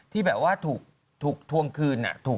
ที่แบบว่าถูกทวงคืน